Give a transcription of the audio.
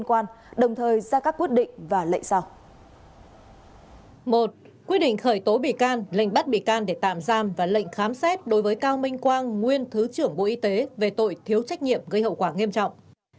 một quyết định khởi tố bị can lệnh bắt bị can để tạm giam và lệnh khám xét đối với cao minh quang nguyên thứ trưởng bộ y tế về tội thiếu trách nhiệm gây hậu quả nghiêm trọng